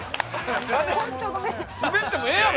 スベってもええやろ！